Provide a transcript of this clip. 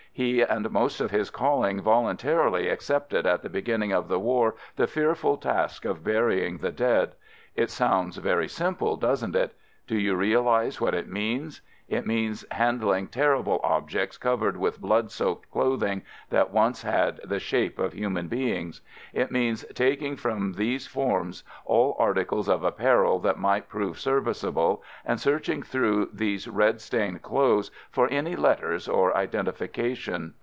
He and most of his calling voluntarily ac cepted at the beginning of the war the fearful task of burying the dead. It sounds very simple, does n't it? Do you realize what it means? It means hand ling terrible objects covered with blood soaked clothing, that once had the shape of human beings. It means taking from these forms all articles of apparel that might prove serviceable and searching through these red stained clothes for any letters or identification.